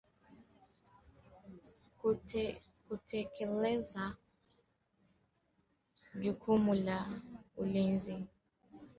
kutekeleza jukumu la ulinzi kwa wanajeshi wa taifa hilo